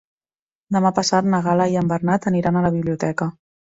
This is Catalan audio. Demà passat na Gal·la i en Bernat aniran a la biblioteca.